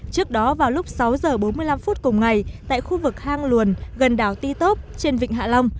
trước đó vào lúc sáu h bốn mươi năm phút cùng ngày tại khu vực hang luồn gần đảo ti tốp trên vịnh hạ long